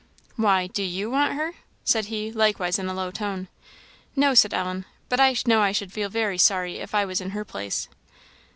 "Why, do you want her?" said he, likewise in a low tone. "No," said Ellen, "but I know I should feel very sorry if I was in her place."